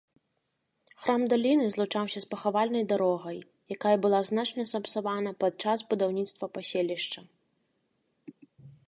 Храм даліны злучаўся з пахавальнай дарогай, якая была значна сапсавана падчас будаўніцтва паселішча.